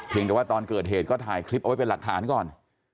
แต่ว่าตอนเกิดเหตุก็ถ่ายคลิปเอาไว้เป็นหลักฐานก่อน